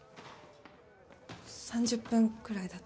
３０分くらいだと。